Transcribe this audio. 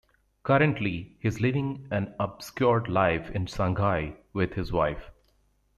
Currently he is living an obscured life in Shanghai with his wife.